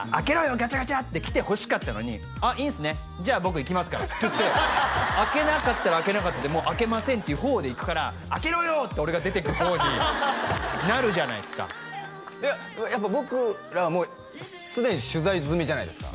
ガチャガチャってきてほしかったのに「あっいいんすねじゃあ僕行きますから」っつって開けなかったら開けなかったで開けませんっていう方でいくから「開けろよ！」って俺が出ていく方になるじゃないっすかやっぱ僕らはもうすでに取材済みじゃないですか